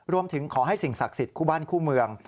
รวมถึงขอให้สิ่งศักดิ์สิทธิ์คู่บ้านคู่เมือง